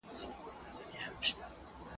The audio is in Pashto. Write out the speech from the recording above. هغه وويل زه د خدای تعالی څخه نه بيريږم، کافر سو،